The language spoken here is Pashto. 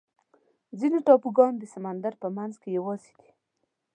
ځینې ټاپوګان د سمندر په منځ کې یوازې دي.